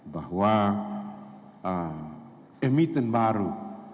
bahwa emiten baru